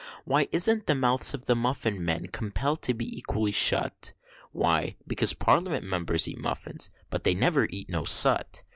Why isn't the mouths of the muffin men compell'd to be equally shut? Why, because Parliament members eat muffins, but they never eat no sut.